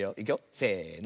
せの。